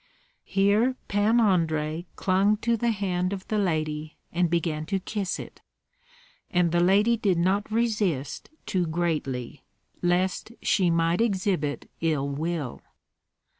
'" Here Pan Andrei clung to the hand of the lady and began to kiss it; and the lady did not resist too greatly, lest she might exhibit ill will.